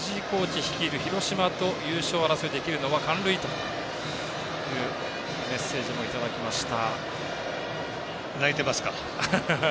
阪神に在籍した新井監督と男前藤井コーチ率いる広島と優勝争いできるのは感涙というメッセージもいただきました。